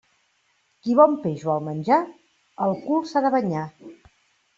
Qui bon peix vol menjar, el cul s'ha de banyar.